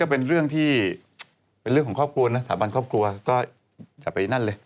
เป็นเรื่องของครอบครัวนะสถาบันครอบครัวก็อย่าไปที่นั่นเลย